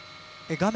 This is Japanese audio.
画面